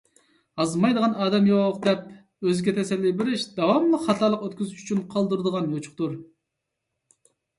ئازمايدىغان ئادەم يوق دەپ ئۆزىگە تەسەللى بېرىش — داۋاملىق خاتالىق ئۆتكۈزۈش ئۈچۈن قالدۇرۇلغان يوچۇقتۇر.